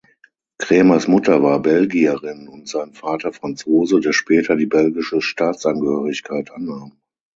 Cremers Mutter war Belgierin und sein Vater Franzose, der später die belgische Staatsangehörigkeit annahm.